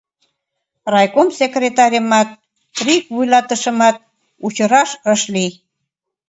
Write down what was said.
Райком секретарьымат, РИК вуйлатышымат учыраш ыш лий.